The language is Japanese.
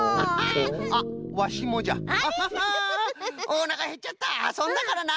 おなかへっちゃったあそんだからな。